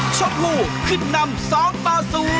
ชมพูวินเตอร์ขึ้นนำ๒๐